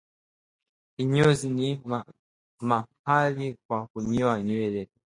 kinyozi ni mahali kwa kunyoa nywele